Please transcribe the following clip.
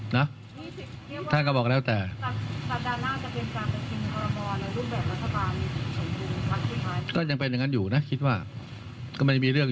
ก็ยังเป็นอย่างนั้นอยู่น่ะคิดว่าก็ไม่มีเรื่อง